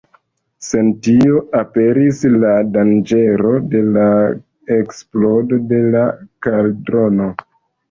Sen tio aperis la danĝero de la eksplodo de la kaldrono.